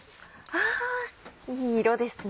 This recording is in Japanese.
わいい色ですね。